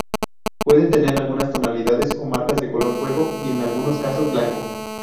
Pueden tener algunas tonalidades o marcas de color fuego y en algunos casos blanco.